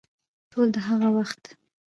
ټول د هغه وخت